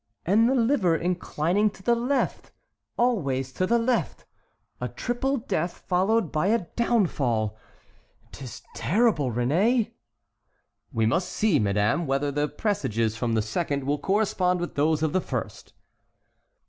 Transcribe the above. "And the liver inclining to the left, always to the left,—a triple death, followed by a downfall. 'T is terrible, Réné." "We must see, madame, whether the presages from the second will correspond with those of the first."